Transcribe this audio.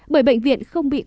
bởi bệnh viện không bị quả